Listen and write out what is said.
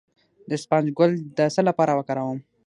د اسفناج ګل د څه لپاره وکاروم؟